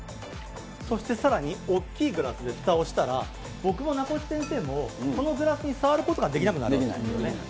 そしてさらに、大きいグラスでふたをしたら、僕も名越先生も、このグラスに触できないよね。